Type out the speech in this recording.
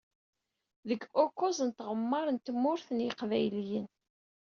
Deg ukuẓ n tɣemmar n tmurt n Yiqbayliyen.